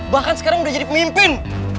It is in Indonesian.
bahkan sekarang udah jadi pemimpin